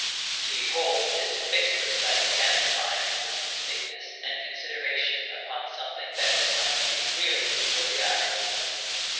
To behold is to fix the sight and the mind with distinctness and consideration upon something that has come to be clearly before the eyes.